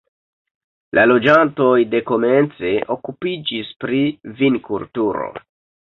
La loĝantoj dekomence okupiĝis pri vinkulturo.